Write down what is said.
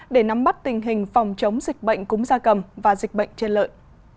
để nắm bắt tình hình phòng chống dịch bệnh cúng gia cầm và dịch bệnh trên lợi